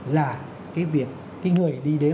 là cái việc cái người đi đếm đi đo điện